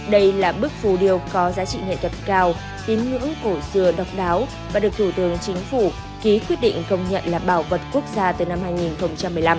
đây là bức phù điêu có giá trị nghệ thuật cao tín ngưỡng cổ xưa độc đáo và được thủ tướng chính phủ ký quyết định công nhận là bảo vật quốc gia từ năm hai nghìn một mươi năm